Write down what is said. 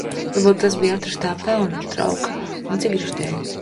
Varbūt tas bija atrastā pelnu trauka un cigarešu dēļ?